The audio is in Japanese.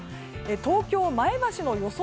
東京、前橋の予想